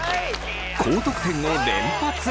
高得点を連発！